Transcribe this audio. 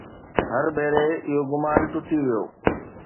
هر ڀيري اهو گمان ٽٽي ويو.